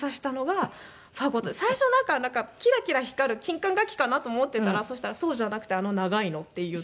最初はなんかキラキラ光る金管楽器かなと思っていたらそしたらそうじゃなくて「あの長いの」っていう。